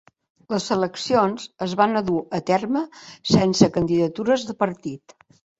Les eleccions es va dur a terme sense candidatures de partit.